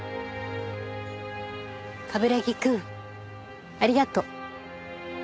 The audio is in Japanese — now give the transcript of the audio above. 冠城くんありがとう。